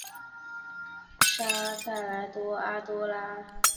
上阿莱格雷多平达雷是巴西马拉尼昂州的一个市镇。